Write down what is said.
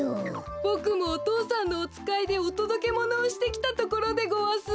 ボクもお父さんのおつかいでおとどけものをしてきたところでごわす。